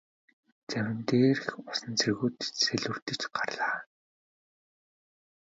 Завин дээрх усан цэргүүд ч сэлүүрдэж гарлаа.